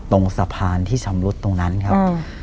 ตรงสะพานที่ชำรุดตรงนั้นครับ